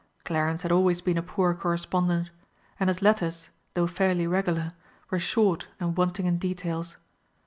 Clarence had always been a poor correspondent and his letters, though fairly regular, were short and wanting in details.